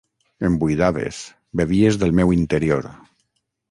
Em buidaves; bevies del meu interior.